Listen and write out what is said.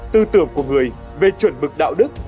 tư tưởng của người về chuẩn mực đạo đức